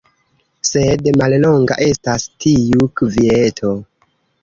Sed mallonga estas tiu kvieto.